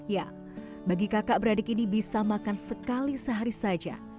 ya bagi kakak beradik ini bisa makan sekali sehari saja